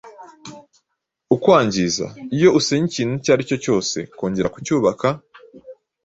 ukwangiza. Iyo usenye ikintu icyo ari cyo cyose kongera kucyubaka